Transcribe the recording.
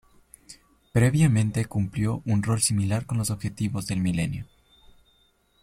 Previamente cumplió un rol similar con los Objetivos del Milenio.